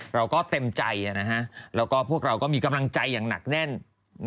เราก็เต็มใจด้วยและบวกเราก็มีกำลังใจหนักแน่น